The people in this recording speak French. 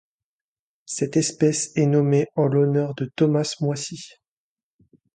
Cette espèce est nommée en l'honneur de Thomas Moisi.